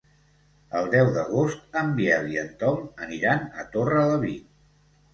El deu d'agost en Biel i en Tom aniran a Torrelavit.